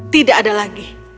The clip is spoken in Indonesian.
tidak ada lagi